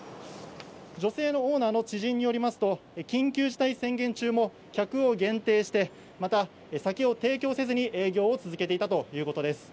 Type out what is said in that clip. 女性のオーナーの知人によりますと、緊急事態宣言中も客を限定して、また酒を提供せずに営業を続けていたということです。